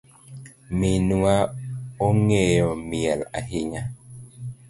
Minwa ongeyo miel ahinya.